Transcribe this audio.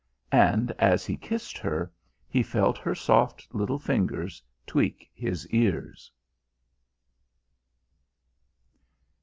And, as he kissed her, he felt her soft little fingers tweak his ears.